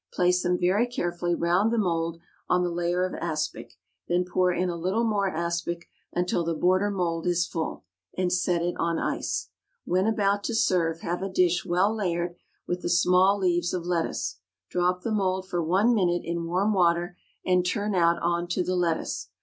Place them very carefully round the mould on the layer of aspic, then pour in a little more aspic, until the border mould is full, and set it on ice. When about to serve have a dish well layered with the small leaves of lettuce. Drop the mould for one minute in warm water, and turn out on to the lettuce.